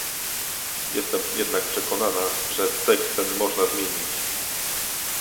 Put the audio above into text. Jestem jednak przekonana, że tekst ten można zmienić